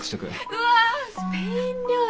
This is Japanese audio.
うわスペイン料理か。